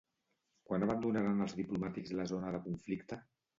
Quan abandonaran els diplomàtics la zona de conflicte?